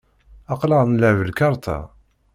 Aql-aɣ nleɛɛeb lkarṭa.